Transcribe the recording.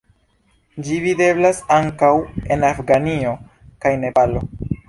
Ĝi videblas ankaŭ en Afganio kaj Nepalo.